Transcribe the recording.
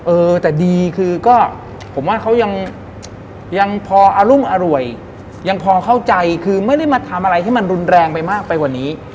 เออแต่ดีคือก็ผมว่าเขายังพออรุ่งอร่วยยังพอเข้าใจคือไม่ได้มาทำอะไรที่มันรุนแรงไปมากไปกว่านี้